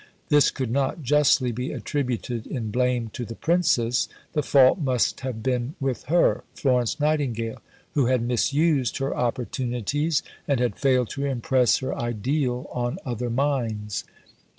This could not justly be attributed in blame to the Princess; the fault must have been with her, Florence Nightingale, who had misused her opportunities, and had failed to impress her ideal on other minds.